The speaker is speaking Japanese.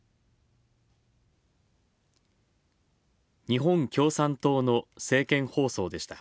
日本共産党の政見放送でした。